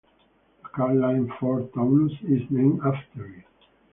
The car line Ford Taunus is named after it.